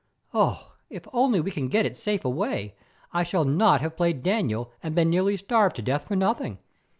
Oh, if only we can get it safe away, I shall not have played Daniel and been nearly starved to death for nothing.